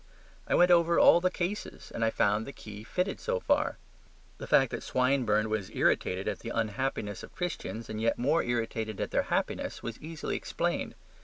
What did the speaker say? I went over all the cases, and I found the key fitted so far. The fact that Swinburne was irritated at the unhappiness of Christians and yet more irritated at their happiness was easily explained.